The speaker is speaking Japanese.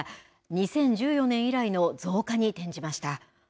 ２０１４年以来の増加に転じました。